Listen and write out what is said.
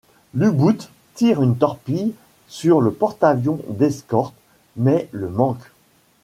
L'U-boot tire une torpille sur le porte-avions d'escorte, mais le manque.